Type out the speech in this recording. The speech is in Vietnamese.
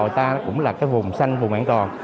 ta cũng là cái vùng xanh vùng an toàn